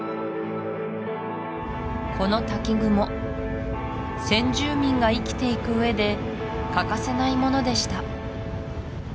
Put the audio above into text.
この滝雲先住民が生きていく上で欠かせないものでした